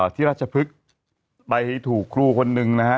ที่ราชพฤกษ์ไปถูกครูคนหนึ่งนะฮะ